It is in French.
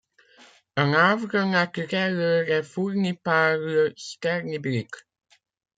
Un havre naturel leur est fourni par le Ster Nibilik.